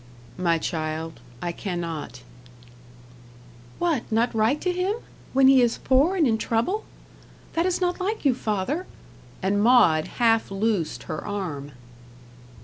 "My child I cannot." "What, not write to him? When he is poor and in trouble? That is not like you, father," and Maud half loosed her arm.